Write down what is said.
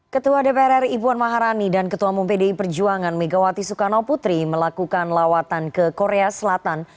ketua dpr ri puan maharani dan ketua umum pdi perjuangan megawati soekarno putri melakukan lawatan ke korea selatan